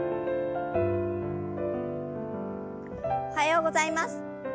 おはようございます。